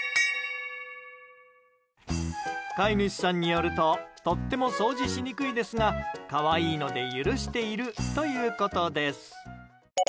飼い主さんによるととっても掃除しにくいですが可愛いので許しているということです。